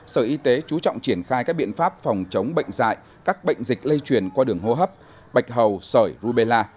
sở y tế chú trọng triển khai các biện pháp phòng chống bệnh dạy các bệnh dịch lây truyền qua đường hô hấp bạch hầu sởi rubella